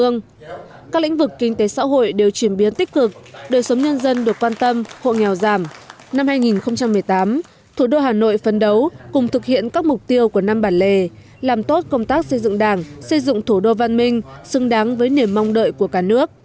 năm hai nghìn một mươi tám thủ đô hà nội phấn đấu cùng thực hiện các mục tiêu của năm bản lề làm tốt công tác xây dựng đảng xây dựng thủ đô văn minh xứng đáng với niềm mong đợi của cả nước